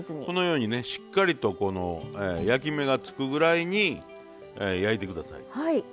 このようにねしっかりと焼き目が付くぐらいに焼いて下さい。